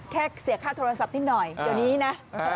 แค่เสียค่าโทรศัพท์นิดหน่อยเดี๋ยวนี้นะ